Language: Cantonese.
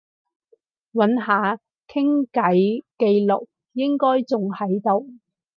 揾下傾偈記錄，應該仲喺度